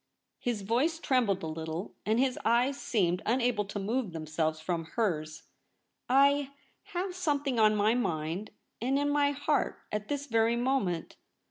His voice trembled a little, and his eyes seemed unable to move themselves from hers. * I have something on my mind, and in my 222 THE REBEL ROSE. heart, at this very moment.